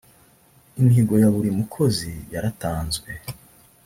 imihigo ya buri mukozi yaratanzwe